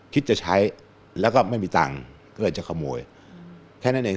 คิดจะใช้แล้วก็ไม่มีตังค์ก็เลยจะขโมยแค่นั้นเอง